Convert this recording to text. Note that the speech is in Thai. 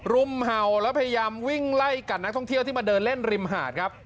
รุมเห่าแล้วพยายามวิ่งไล่กัดนักท่องเที่ยวที่มาเดินเล่นริมหาดครับ